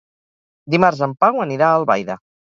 Dimarts en Pau anirà a Albaida.